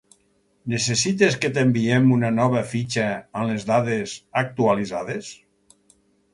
Necessites que t'enviem una nova fitxa amb les dades actualitzades?